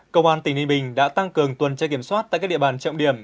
công an tỉnh ninh bình đã tăng cường tuần tra kiểm soát tại các địa bàn trọng điểm